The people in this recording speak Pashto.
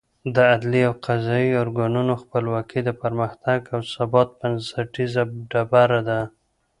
د عدلي او قضايي ارګانونو خپلواکي د پرمختګ او ثبات بنسټیزه ډبره ده.